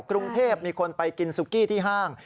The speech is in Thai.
กรุงเทพมีคนไปกินซุกี้ที่ห้าง